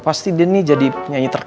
pasti dia nih jadi nyanyi tertentu